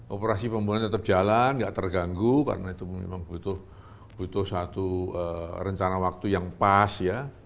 operasi pembangunan tetap jalan tidak terganggu karena itu memang butuh satu rencana waktu yang pas ya